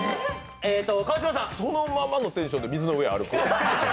そのままのテンションで水の上を歩く？